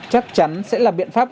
chắc chắn sẽ là biện pháp